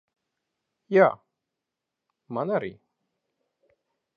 Jā, man arī.